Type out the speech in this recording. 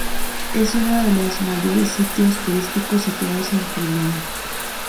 Es uno de los mayores sitios turísticos situados en Crimea.